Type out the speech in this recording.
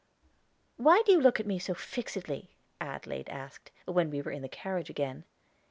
"Why do you look at me so fixedly?" Adelaide asked, when we were in the carriage again.